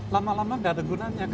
lama lama tidak ada gunanya